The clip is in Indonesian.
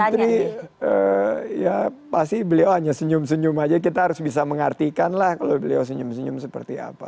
putri ya pasti beliau hanya senyum senyum aja kita harus bisa mengartikan lah kalau beliau senyum senyum seperti apa